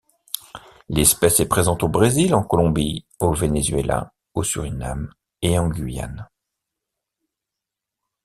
L'espèce est présente au Brésil, en Colombie, au Venezuela, au Suriname et en Guyane.